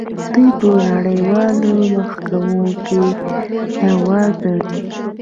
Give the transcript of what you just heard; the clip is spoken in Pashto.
دوی په نړیوالو محکمو کې دعوا کوي.